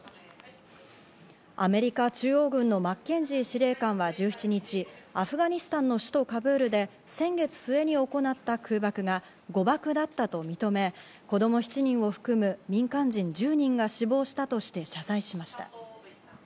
アメリカ中央軍のマッケンジー司令官は１７日、アフガニスタンの首都カブールで先月末に行った空爆が誤爆だったと認め子供７人を含む民間人１０人が死亡したとして謝罪しました。